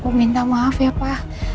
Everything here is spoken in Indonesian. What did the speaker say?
gue minta maaf ya pak